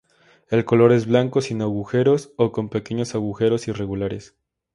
El color es blanco, sin agujeros o con pequeños agujeros irregulares.